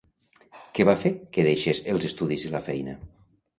Què va fer que deixés els estudis i la feina?